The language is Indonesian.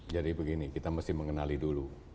jadi begini kita mesti mengenali dulu